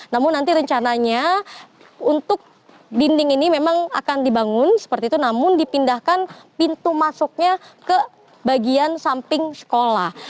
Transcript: namun nanti rencananya untuk dinding ini memang akan dibangun seperti itu namun dipindahkan pintu masuknya ke bagian samping sekolah